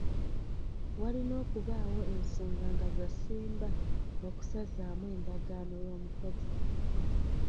Walina okubaawo ensonga nga za ssimba okusazaamu endagaano y'omukozi.